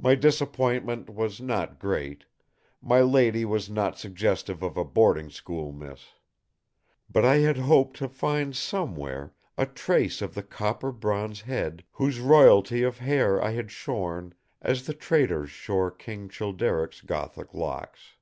My disappointment was not great; my lady was not suggestive of a boarding school miss. But I had hoped to find somewhere a trace of the copper bronze head whose royalty of hair I had shorn as the traitors shore King Childeric's Gothic locks.